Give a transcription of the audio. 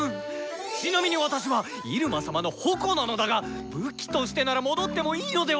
ちなみに私はイルマ様の矛なのだが武器としてなら戻ってもいいのでは？